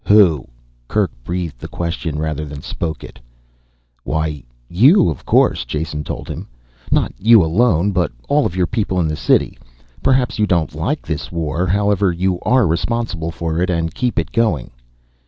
"Who?" Kerk breathed the question, rather than spoke it. "Why you of course," Jason told him. "Not you alone, but all of your people in the city. Perhaps you don't like this war. However you are responsible for it, and keep it going."